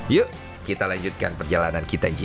yuk kita lanjutkan perjalanan kita nji